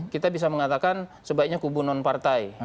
kita bisa mengatakan sebaiknya kubu non partai